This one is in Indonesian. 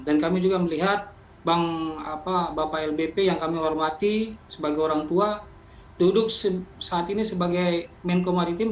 dan kami juga melihat bang bapak lbp yang kami hormati sebagai orang tua duduk saat ini sebagai menko maritim